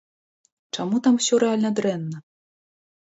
Чаму там усё рэальна дрэнна?!